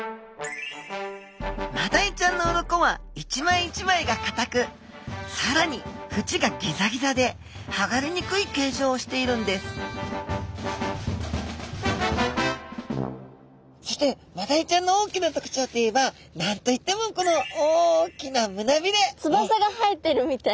マダイちゃんの鱗は一枚一枚がかたくさらにフチがギザギザではがれにくい形状をしているんですそしてマダイちゃんの大きな特徴といえば何と言ってもこの大きなつばさが生えてるみたい。